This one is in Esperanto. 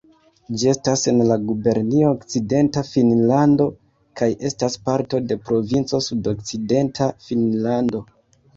Ĝi estas en la gubernio Okcidenta Finnlando kaj estas parto de provinco Sudokcidenta Finnlando.